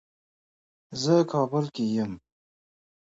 Cupp said she owed her success to those that came before her.